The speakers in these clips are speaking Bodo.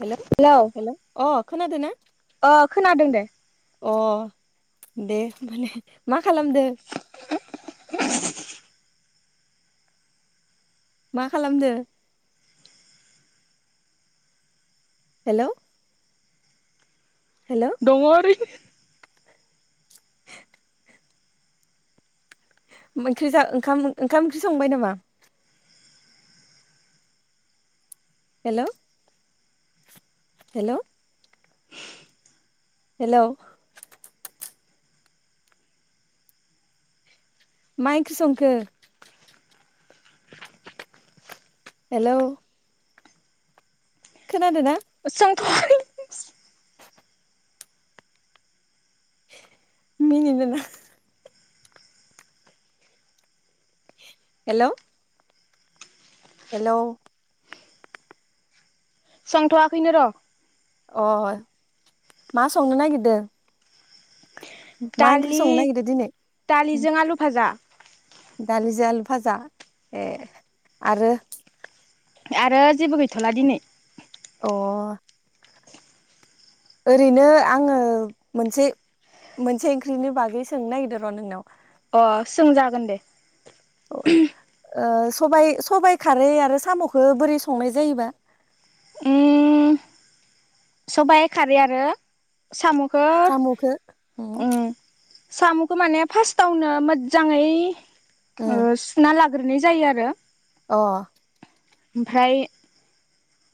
हेल' हेलौ हेल' अ खोनादोना? अ खोनादों दे अ दे होमबालाय मा खालामदो? [inaudible] [unintelligible] मा खालामदो? हेलौ। हेलौ दङ ओरैनो मोखिजा ओंखाम ओंखाम ओंख्रि संबाय नामा? हेलौ हेलौ हेलौ मा ओंख्रि संखो? हेलौ खोनादो ना? [unintelligible] मिनिदोना? हेलौ हेलौ संथ'वाखैनो र। अ मा संनो नागिरदो? दालि नागिरदों दिनै दालिजों आलु भाजा। दालिजो आलु भाजा ए आरो? आरो जेबो गैथ'ला दिनै। अ। ओरैनो आङो मोनसे मोनसे ओंख्रिनि बागै सोंनो नागिरदो र नोंनाव? अ सोंजागोन दे। औ। ओ सबाइ सबाइ खारै आरो साम'खौ बोरै संनाय जायोबा? उम सबाइ खारै आरो साम' सामुखो उम साम'खौ माने फार्स्टावनो मोजाङै उम ओ सुना लाग ग्रोनाय जायो आरो। अ ओमफ्राय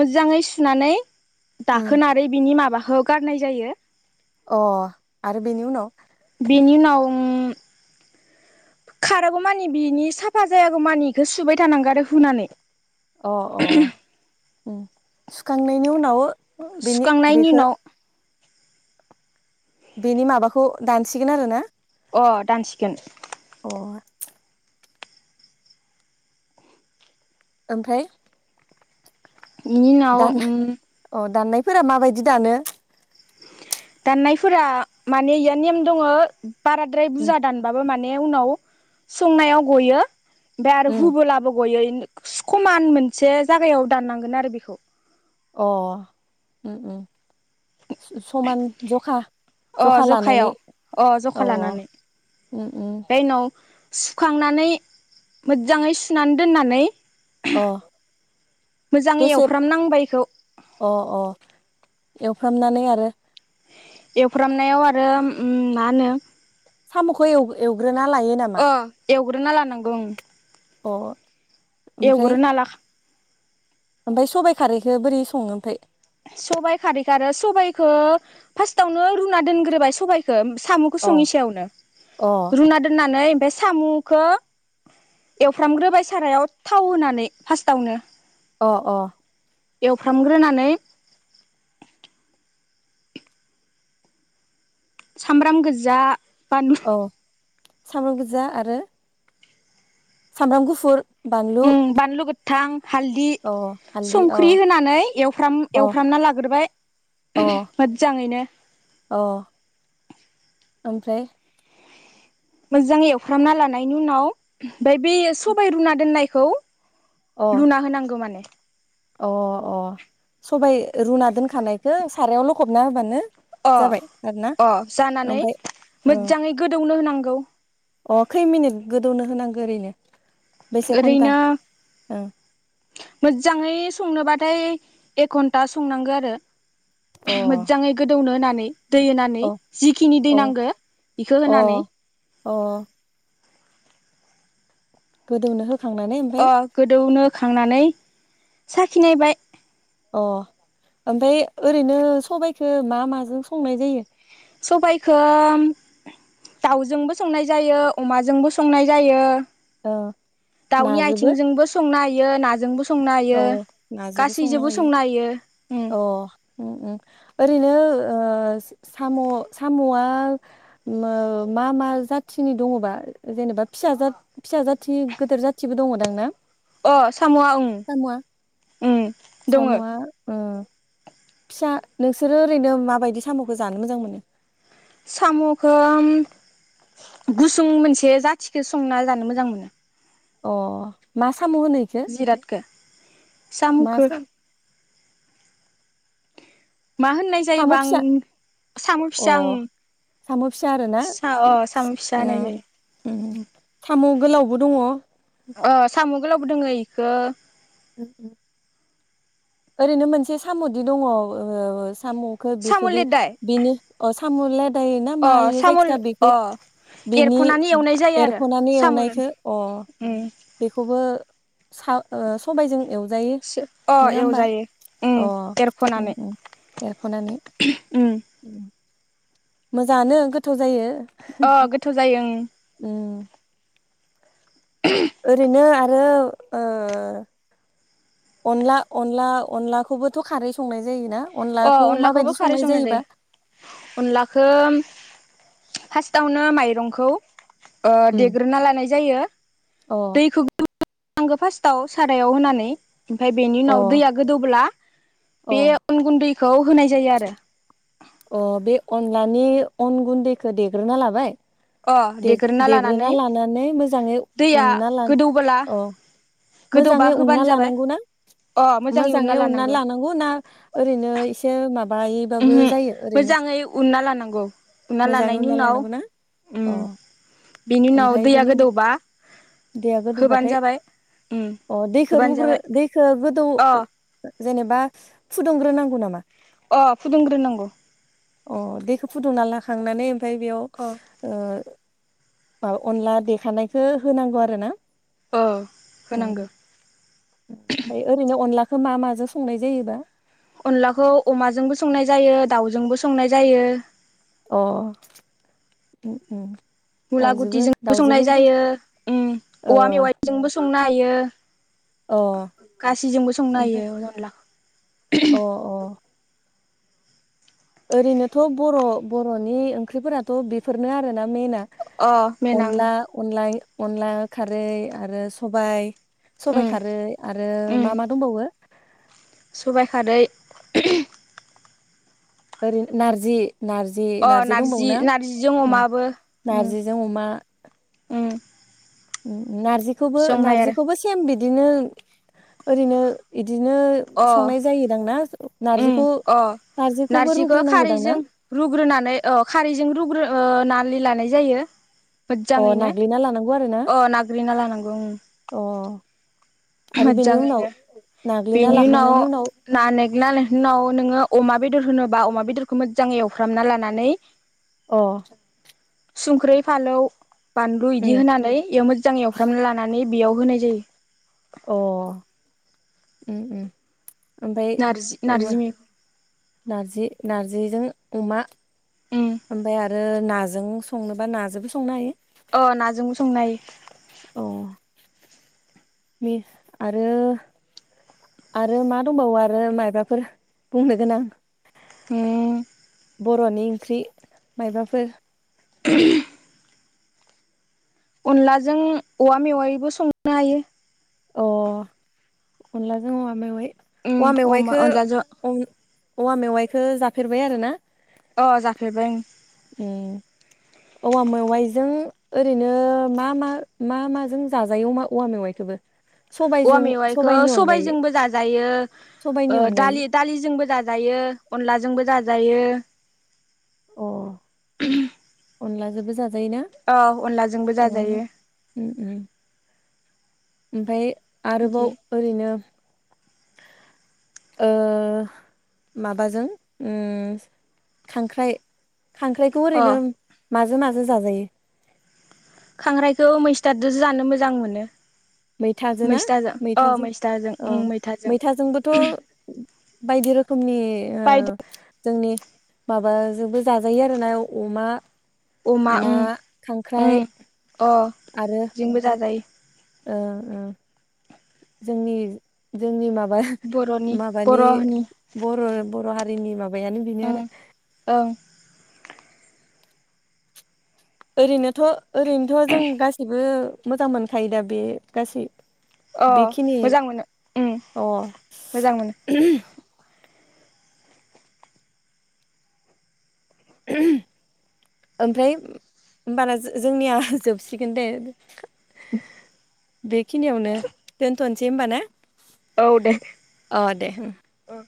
मोजाङै सुनानै उम दाखोनारै बिनि माबाखौ हो गारनाय जायो। अ आरो बेनि उनाव बेनि उनाव खारागौ मानि बिनि साफा जायागौ मानि बेखौ सुबाय थानांगौ आरो हुनानै अ अ उम सुखांनायनि उनाव बेनि सुखांनायनि बेखौ उनाव। बेनि माबाखौ दानसिगोन आरोना। अ दानसिगोन अ ओमफ्राय? बेनि उनाव दान उम अ दाननायफोरा माबायदि दानो। दाननायफोरा माने इया नेम दङ बाराद्राय उम बुरजा दानबाबो माने ने उनाव गयो उम हुबोलाबो गयै समान मोनसे जागायाव दाननांगोन आरो बेखौ अ उम उम समान जखा अ जखा लानानै जखायाव अ जखा औ लानानै अ ओमफ्राय उनाव सुखांनानै मोजाङै सुनानै दोननानै अ मोजाङै दसे एवफ्रामनांबायखौ। अ अ एवफ्रामनानै आरो एवफ्रामनायाव आरो मा होनो सामुखौ एउ एउग्रो अ एवग्रोना लानांगौ उम अ एवग्रोना ला ओमफाय सबाय खारैखो बोरै सङो ओमफाय सबाइ खारै आरो सबाइखौ फार्स्टावनो रुना दोनग्रोबाय सबाइखौ। ओ साम'खौ अ सङनि सयावनो अ रुना दोननानै बे साम'खौ एवफ्रामग्रोबाय सारायाव थाव होनानै फार्स्टावनो। अ अ एवफ्रामग्रोनानै सामब्राम गोजा बानलु औ सामब्राम गोजा आरो। सामब्राम गुफुर बानलु उम बानलु गोथां हालदि अ हालदै अ संख्रि होनानै एवफ्राम अ एवफ्रामना लाग्रोबाय। अ मोजांङैनो ओमफ्राय‌? मोजां एवफ्रामना लानायनि उनाव ओमफाय बे सबाय रुना दोननायखौ अ लुना होनांगौ माने अ अ सबाय रुना दोनखानायखौ सारायाव लखबना होबानो अ जाबाय आरोना अ जानानै ओमफ्राय ओ मोजाङै गोदौनो होनांगौ। अ खै मिनिट गोदौनो होनांगो ओरैनो बेसे घन्टा ओरैनो ओं मोजाङै संनोबा थाय एक घन्टा संनांगौ आरो अ मोजाङै गोदौनो होननानै दै होनानै अ जिखिनि दै अ नांगो इखो होनानै अ अ गोदौनो हो अ गोदौनो खांनानै साखिनायबाय अ ओमफ्राय ओरैनो सबायाइखौ मा माजों संनाय जायो सबायखो दाउजोंबो संनाय जायो अमाजोंबो संनाय जायो औ दाउनि नाजोबो आयथिंजोंबो संनो हायो नाजोंबो स औ नाजोंबो संनो हायो अ ओरैनो ओ साम' साम'आ मो मा मा जाथिनि दङबा जेनेबा बा फिसा जाट पिसा जाथि गोदोर जाथिबो दङदां ना अ सामआ ओम सामवा सामुवा फिसा नोंसोरो ओरैनो माबायदि सामखौ जानो मोजां मोनो साम'खोम गुसुं मोनसे जाथिखौ संना जानो मोजां मोनो अ मा साम होनो बेखौ जिरादखौ मा साम'खौ साम मा होननाय साम' जायोबा आं फिसा साम' अ फिसा उं साम फिसा आरो ना फिसा होनाय जायो ओम साम' गोलावबो दङ अ साम' गोलावबो दोङो इखौ उ ओरैनो मोनसे साम'दि दङ ओ साम'खो साम' बेखोदि लेदाय बिनि अ सा- साम' लादायोना अ मा इयो साम' जायखिजाया बेखौ अ बिनि एरख'नानै एवनाय जायो आरो एरख'नानै साम' एवनायखो अ उम बेखौबो सबायजों एव अ एव जायो अ ओम उम एरखनानै उम एरख'नानै ओम मोजाङानो गोथाव जायो अ गोथाव जायो ओं ओम ओरैनो आरो अनला अनला अनलाखौबोथ' खारै संनाय जायोना अ अनलाखौ माबायदि अनलाखौबो खारै संनाय संना जायोबा जायो अनलाखो फार्स्टावनो माइरंखौ ओ उम देग्रोना लानाय जायो अ आंगो फार्स्टआव सारायाव होनानै ओमफाय बेनि अ उनाव दैया गोदौब्ला अ बे अन गुन्दैखौ होनाय जायो आरो अ बे अनलानि अन गुन्दैखो देग्रोना लाबाय अ देग्रोना लानानै लानानै मोजाङै दैया उनना लानो गोदौबोला अ गोदौबा मोजाङै उनना होबानो जाबाय लानांगौ ना मोजाङै उननानै लानांगौ ना ओरैनो एसे माबा माबायोबाबो उमहो जायो ओरैनो मोजाङै उनना लानांगौ मोजाङै लानायनि उनना उनाव लानांगौना उम औ बेनि उनाव दैया गोदौबा दैआ होबानो गोदौबाथाय जाबाय उम अ दैखौ होबानो रुग्रो जाबाय दैखौ गोदौ अ जेनेबा फुदुंग्रोनांगौ नामा अ फुदुंग्रोनांगौ अ दैखो फुदुंना ला- खांनानै ओमफाय बेयाव अ ओ अनला देखानायखौ होनांगौ आरो ना अ होनांगो। फाय ओरैनो अनलाखौ मा माजों संनाय जायोबा? अनलाखौ अमाजोंबो संनाय जायो दाउजोंबो संनाय जायो। अ ओम ओम। मुला गुथिजोंबो संनाय जायो उ ओ औवा मेवाइजोंबो संनो हायो। अ गासैजोंबो संनो ओमफ्राय हायो अनलाखौ। अ अ। ओरैनोथ' बर' बर'नि ओंख्रि फोराथ' बेफोरनो आरोना मेना। अ मेनां अनला अनलाइ अनला खारै आरो सबाय सबाइ उम खारै आरो मा मा दंबावो? सबाय खारै ओरैनो नारजि नारजि अ नारजि दंबावो ना नारजिजों उम अमाबो उम नारजिजों अमा। उम नारजिखौबो संनो हायो आरो नारजिखौबो सेम बिदिनो ओरैनो दिनो संनाय जायोदां ना? ओम नारजिखौ अ नारजिखौबो नारजिखौ रुग्रोनांगौदां ना खारैजों रुग्रोनानै अ खारैजों रुग्रो ओ ओ नारलि लानाय जायो। अ मोजाङैनो नाग्लिना लानांगौ आरो ना अ नाग्रिरना लानांगौ। अ आरो बेनि उनाव मोज्जाङैनो नाग्लिना बेनि उनाव लाखांनायनि ना नै ना उनाव नोङो अमा बेदर होनोबा अमा बेदरखौ मोजाङै एवफ्रामना लानानै अ। सुंख्रै फालौ बानलु उम इदि होनानै इयाव मोज्जां एवफ्रामना लानानै बेयाव होनाय जायो। अ ओम ओम। ओमफाय नारजि अमा नारजि मे नारजि नारजिजों अमा उम ओमफाय आरो नाजों संनोबा नाजोंबो संनो हायो। अ नाजोंबो संनो हायो। नि आरो आरो मा दंबावो आरो मायबा फोर बुंनो गोनां उम बर'नि ओंख्रि मायबाफोर [unintelligible] अनलाजों औवा मेवायबो संनो हायो। अ अनलाजों औवा मेवाइ उम औवा अमा मेवाइखो अनलाजों औवा मेवाइखो जाफेरबाय आरो ना? अ जाफेरबाय उम। ओम। औवा मेवाइजों ओरैनो मा मा मा माजों जाजायो अमा औवा मेवाइखौबो? औवा सबायजों मेवाइखो सबाइनि सबाय अनगायै जोंबो जाजायो सबाइनि ओ अनगायै दालि दालिजोंबो जाजा जायो अनलाजोंबो जाजायो। अ [unintelligible] अनलाजोंबो जाजायोना? अ अनलाजोंबो जाजायो ओमफ्राय बिदि आरोबाव ओरैनो ओ माबाजों उम खांख्राइ खांख्राइखौ अ ओरैनो माजों माजों जाजायो? खांख्रायखौ मैस्थादोसो जानो मोजां मोनो। मैथाजों ना मैस्थाजों अ मैथाजों मैस्थाजों औ उम मैथाजों बोथ' बायदि रोखोमनि ओ बायदि जोंनि माबाजोंबो जाजायो आरोना अमा अमा ना उम उम खांख्राइ अ आरो जोंबो जाजायो ओं ओ जोंनि जोंनि माबा बर'नि [unintelligible] माबानि बर'नि बर बर हारिनि बैयानो बिनो ओं आरो ओं ओरैनोथ ओरैनोथ जों गासिबो मोजां मोनखायो दा बे गासै अ बेखिनि मोजां मोनो उम अ उम मोजां मोनो [unintelligible] ओमफाय होमबाना जोंनिया जोबसिगोन दे बेखिनियावनो दोनथ'सै होमबा ना? औ दे अ दे ओ